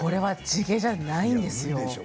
地毛じゃないんです。